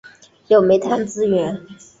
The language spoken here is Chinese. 有煤炭资源。